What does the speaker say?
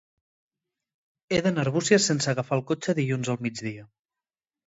He d'anar a Arbúcies sense agafar el cotxe dilluns al migdia.